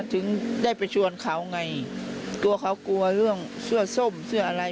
ถึงได้ไปชวนเขาไงตัวเขากลัวเรื่องเสื้อส้มเสื้ออะไร